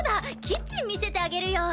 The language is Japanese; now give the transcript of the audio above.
キッチン見せてあげるよ！